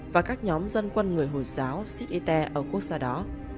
và các nhóm dân quân người hồi giáo sidi teh ở quốc gia đó